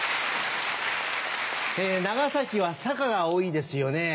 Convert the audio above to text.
長崎は坂が多いですよね。